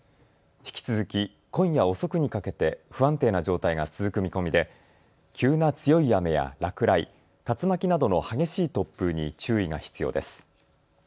引き続き今夜遅くにかけて不安定な状態が続く見込みで急な強い雨や落雷、竜巻などの激しい突風に注意が必要です。